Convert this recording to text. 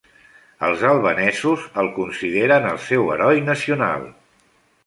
Els albanesos el consideren el seu heroi nacional.